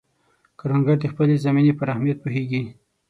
کروندګر د خپلې زمینې پر اهمیت پوهیږي